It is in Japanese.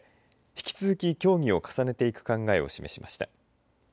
引き続き協議を重ねていく考えを示しました。